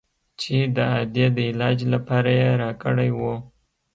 چې د ادې د علاج لپاره يې راکړى و.